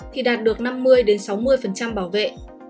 thì đạt được năm mươi sáu mươi bảo vệ